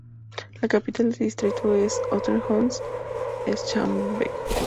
La capital de distrito es Osterholz-Scharmbeck.